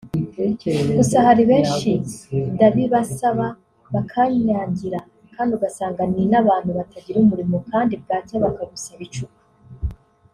gusa hari benshi ndabibasaba bakanyangira kandi ugasanga ni n’abantu batagira umurimo kandi bwacya bakagusaba icupa